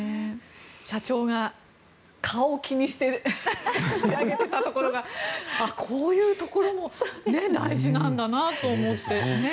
社長が蚊を気にして差し上げていたところがこういうところも大事なんだなと思ってね。